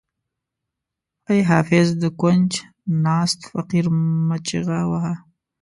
ای حافظ د کونج ناست فقیر مه چیغه وهه.